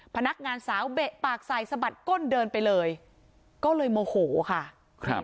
พนักงานสาวเบะปากใส่สะบัดก้นเดินไปเลยก็เลยโมโหค่ะครับ